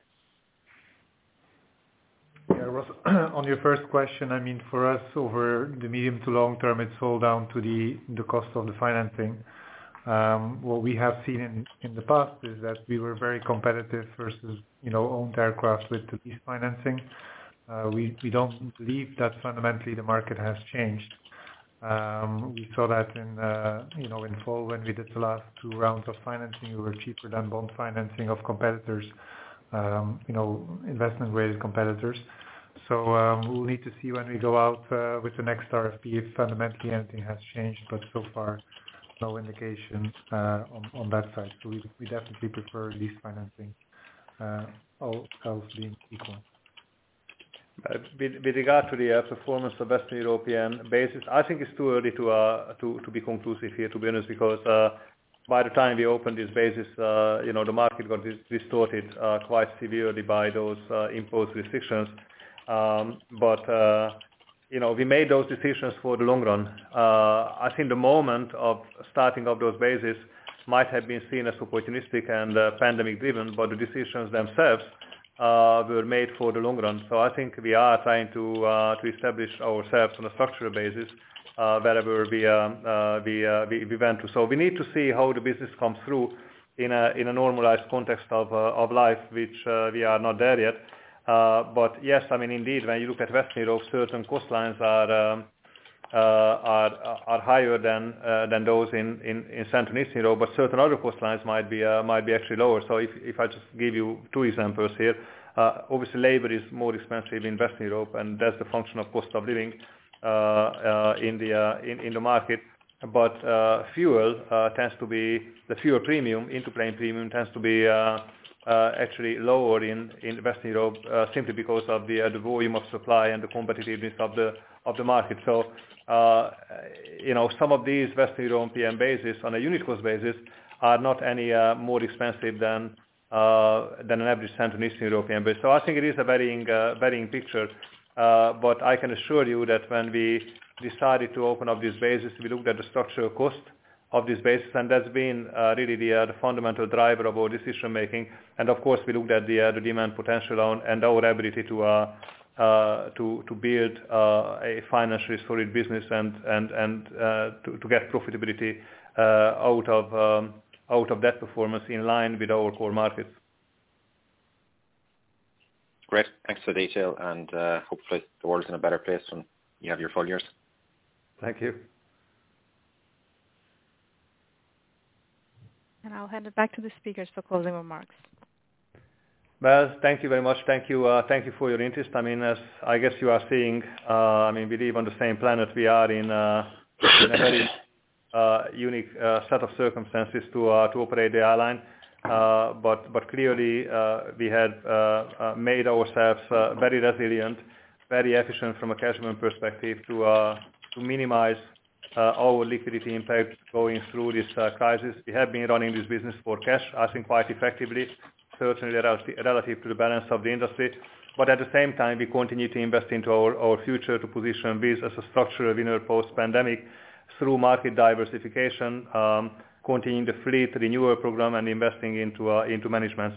Yeah, Ross, on your first question, for us, over the medium to long term, it's all down to the cost of the financing. What we have seen in the past is that we were very competitive versus owned aircraft with the lease financing. We don't believe that fundamentally the market has changed. We saw that in fall when we did the last two rounds of financing, we were cheaper than bond financing of competitors, investment-grade competitors. We'll need to see when we go out with the next RFP if fundamentally anything has changed, but so far, no indication on that side. We definitely prefer lease financing, all else being equal. With regard to the performance of Western European bases, I think it's too early to be conclusive here, to be honest, because by the time we opened these bases, the market got distorted quite severely by those imposed restrictions. We made those decisions for the long run. I think the moment of starting up those bases might have been seen as opportunistic and pandemic-driven, but the decisions themselves were made for the long run. I think we are trying to establish ourselves on a structural basis wherever we went to. We need to see how the business comes through in a normalized context of life, which we are not there yet. Yes, indeed, when you look at Western Europe, certain cost lines are higher than those in Central and Eastern Europe, but certain other cost lines might be actually lower. If I just give you two examples here, obviously labor is more expensive in Western Europe, and that's the function of cost of living in the market. The fuel into-plane premium tends to be actually lower in Western Europe simply because of the volume of supply and the competitiveness of the market. Some of these Western European bases on a unit cost basis are not any more expensive than an average Central and Eastern European base. I think it is a varying picture. I can assure you that when we decided to open up these bases, we looked at the structural cost of these bases, and that's been really the fundamental driver of our decision-making. Of course, we looked at the demand potential and our ability to build a financially solid business and to get profitability out of that performance in line with our core markets. Great. Thanks for the detail and hopefully the world is in a better place when you have your full years. Thank you. I'll hand it back to the speakers for closing remarks. Well, thank you very much. Thank you for your interest. As I guess you are seeing, we live on the same planet. We are in a very unique set of circumstances to operate the airline. Clearly, we have made ourselves very resilient, very efficient from a cash flow perspective to minimize our liquidity impact going through this crisis. We have been running this business for cash, I think quite effectively, certainly relative to the balance of the industry. At the same time, we continue to invest into our future to position Wizz Air as a structural winner post-pandemic through market diversification, continuing the fleet renewal program, and investing into management.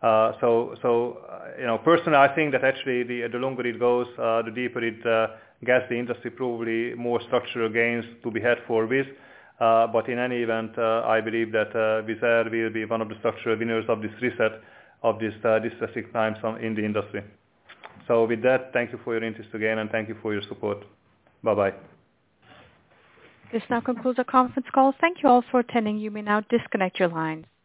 Personally, I think that actually the longer it goes, the deeper it gets the industry, probably more structural gains to be had for Wizz Air. In any event, I believe that Wizz Air will be one of the structural winners of this reset of this specific time in the industry. With that, thank you for your interest again, and thank you for your support. Bye-bye. This now concludes our conference call. Thank Thank you all for attending. You may now disconnect your line.